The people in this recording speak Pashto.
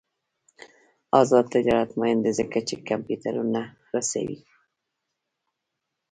آزاد تجارت مهم دی ځکه چې کمپیوټرونه رسوي.